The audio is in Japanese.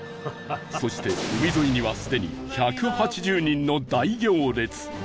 そして海沿いにはすでに１８０人の大行列